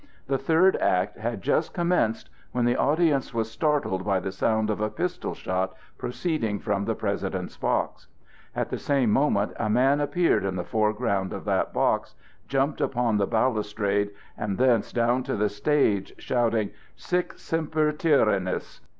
The third act had just commenced, when the audience was startled by the sound of a pistol shot proceeding from the President's box. At the same moment a man appeared in the foreground of that box, jumped upon the balustrade, and thence down to the stage, shouting, "Sic semper tyrannis!"